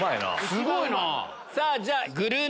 すごいな。